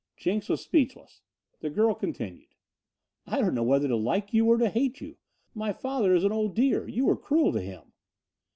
Jenks was speechless. The girl continued: "I don't know whether to like you or to hate you. My father is an old dear. You were cruel to him."